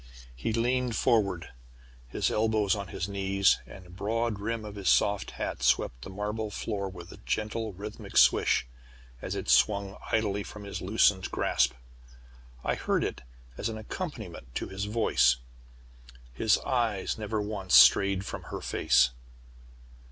He leaned forward, his elbows on his knees, and the broad brim of his soft hat swept the marble floor with a gentle rhythmic swish, as it swung idly from his loosened grasp. I heard it as an accompaniment to his voice. His eyes never once strayed from her face.